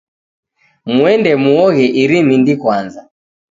Muende muoghe iri Mindi kwanza.